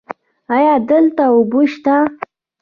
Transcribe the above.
ایا دلته اوبه شته؟